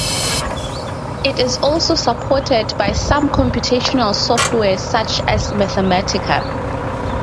It is also supported by some computational software such as Mathematica.